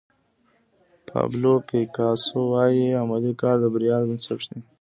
پابلو پیکاسو وایي عملي کار د بریا بنسټ دی.